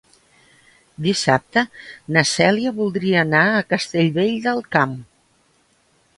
Dissabte na Cèlia voldria anar a Castellvell del Camp.